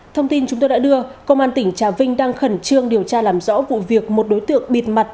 thông tin chúng tôi đã đưa công an tỉnh trà vinh đang khẩn trương điều tra làm rõ vụ việc một đối tượng bịt mặt